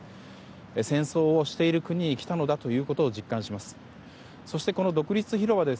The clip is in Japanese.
戦争をしている国に来たのだということを実感します。